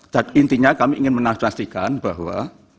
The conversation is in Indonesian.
dan intinya kami ingin menastikan bahwa